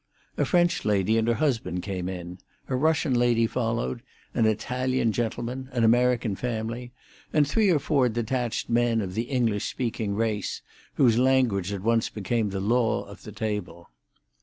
A French lady and her husband came in; a Russian lady followed; an Italian gentleman, an American family, and three or four detached men of the English speaking race, whose language at once became the law of the table.